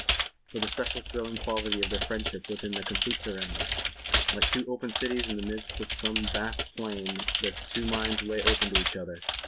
For the special thrilling quality of their friendship was in their complete surrender. Like two open cities in the midst of some vast plain their two minds lay open to each other.